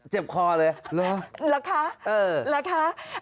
เจ็บคอเลยหรือคะ